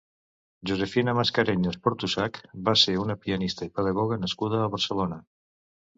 Josefina Mascareñas Portusach va ser una pianista i pedagoga nascuda a Barcelona.